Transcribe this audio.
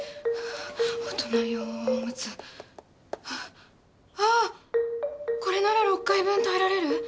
あっこれなら６回分耐えられる。